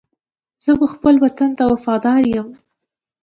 زه و خپل وطن ته وفاداره یم.